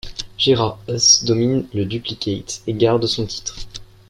Gérard Huss domine le duplicate et garde son titre.